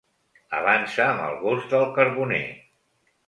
Avança amb el gos del carboner.